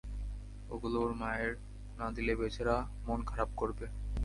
ওগুলো ওর মায়ের না দিলে বেচারা মন খারাপ করবে!